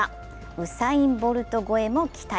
ウサイン・ボルト超えも期待。